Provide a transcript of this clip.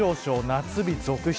夏日、続出。